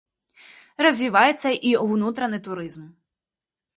Развіваецца і ўнутраны турызм.